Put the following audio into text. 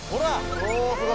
おおすごい。